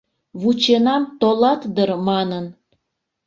Вученам толат дыр манын